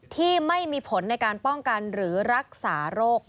ที่ไม่มีผลในการป้องกันหรือรักษาโรค